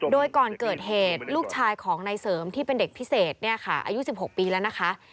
โดยก่อนเกิดเหตุลูกชายของนายเสริมที่เป็นเด็กพิเศษเนี่ยค่ะอายุ๑๖ปีแล้วนะคะ